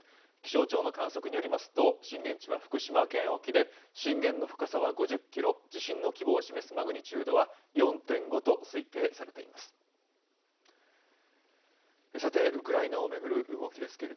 気象庁の観測によりますと、震源地は福島県沖で、震源の深さは５０キロ、地震の規模を示すマグニチュードは４．５と推定されています。